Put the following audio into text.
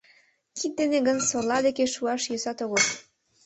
Кид дене гын, сорла деке шуаш йӧсат огыл.